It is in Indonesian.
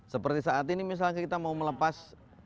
seperti saat ini misalnya kita mau melepas